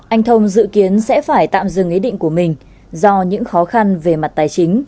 anh thông dự kiến sẽ phải tạm dừng ý định của mình do những khó khăn về mặt tài chính